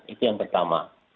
itu yang pertama